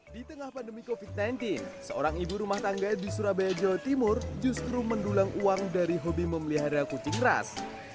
di tengah pandemi covid sembilan belas seorang ibu rumah tangga di surabaya jawa timur justru mendulang uang dari hobi memelihara kucing ras